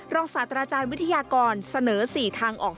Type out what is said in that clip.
ศาสตราจารย์วิทยากรเสนอ๔ทางออก